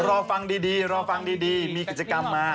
อออออออรอฟังดีมีกิจกรรมมา